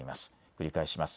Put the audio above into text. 繰り返します。